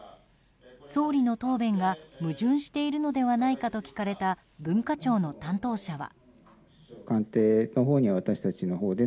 総理の答弁が矛盾しているのではないかと聞かれた文化庁の担当者は。